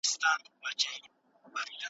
محکوم سیمي